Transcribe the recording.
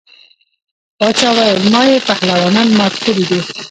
باچا ویل ما یې پهلوانان مات کړي دي.